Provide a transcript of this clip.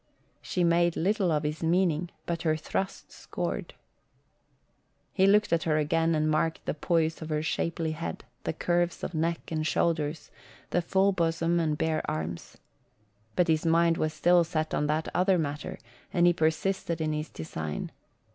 She made little of his meaning but her thrust scored. He looked at her again and marked the poise of her shapely head, the curves of neck and shoulders, the full bosom, the bare arms. But his mind was still set on that other matter and he persisted in his design.